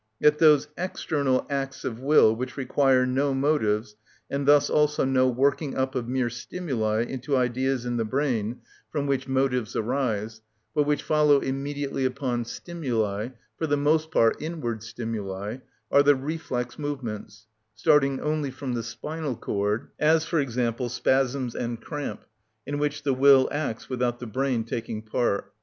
Yet those external acts of will which require no motives, and thus also no working up of mere stimuli into ideas in the brain, from which motives arise, but which follow immediately upon stimuli, for the most part inward stimuli, are the reflex movements, starting only from the spinal cord, as, for example, spasms and cramp, in which the will acts without the brain taking part.